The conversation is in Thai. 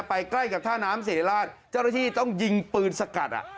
ใกล้กับท่าน้ำศรีราชเจ้าหน้าที่ต้องยิงปืนสกัดอ่ะ